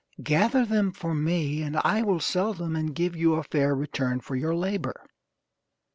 Gather them for me, and I will sell them and give you a fair return for your labor."